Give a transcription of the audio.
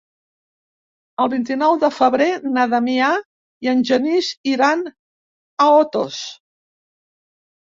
El vint-i-nou de febrer na Damià i en Genís iran a Otos.